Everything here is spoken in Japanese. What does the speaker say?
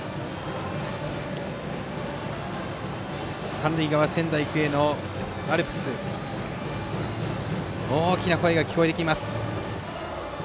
三塁側仙台育英のアルプス大きな声が聞こえてきます。